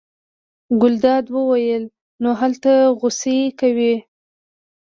ګلداد وویل: نو هلته غوسې کوې.